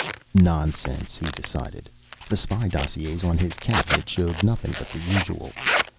Nonsense, he decided. The spy dossiers on his Cabinet showed nothing but the usual.